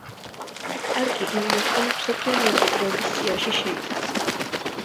პარკი იუნესკომ მსოფლიო მემკვიდრეობის სიაში შეიტანა.